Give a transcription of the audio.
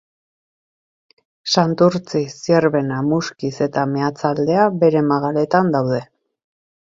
Santurtzi, Zierbena, Muskiz eta Meatzaldea bere magaletan daude.